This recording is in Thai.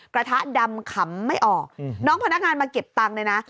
กระทะดำขำไม่ออกน้องพนักงานมาเก็บตังค์เลยนะ